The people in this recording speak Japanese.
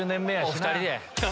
お２人で。